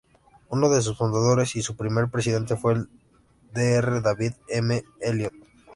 Uno de sus fundadores y su primer presidente fue el Dr. David M. Elliott.